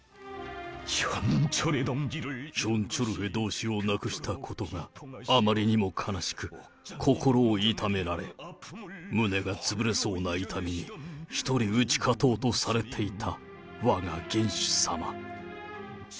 チョン・チョルへ同志を亡くしたことが、あまりにも悲しく、心を痛められ、胸が潰れそうな痛みに一人打ち勝とうとされていたわが元首様。